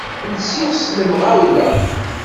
Lsiɣ s lemɣawla.